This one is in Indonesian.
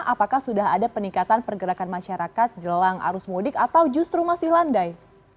apakah sudah ada peningkatan pergerakan masyarakat jelang arus mudik atau justru masih landai